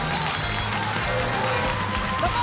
どうも！